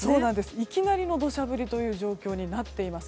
いきなりの土砂降りという状況になっています。